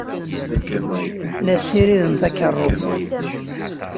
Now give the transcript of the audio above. La ssiriden takeṛṛust.